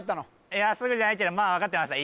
いやすぐじゃないけどまあ分かってました